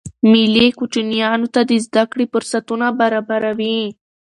مېلې کوچنيانو ته د زدهکړي فرصتونه برابروي.